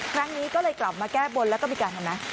ครั้งนี้ก็เลยกลับมาแก้บนแล้วก็มีการทำนะ